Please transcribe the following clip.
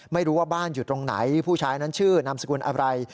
ไม่รู้ว่าบ้านอยู่ตรงไหนผู้ชายนั้นชื่อนามสกุลอะไร